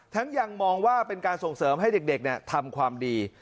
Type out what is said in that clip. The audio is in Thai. ยังมองว่าเป็นการส่งเสริมให้เด็กทำความดี